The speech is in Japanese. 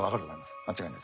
間違いないです。